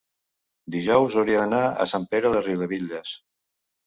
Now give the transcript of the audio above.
dijous hauria d'anar a Sant Pere de Riudebitlles.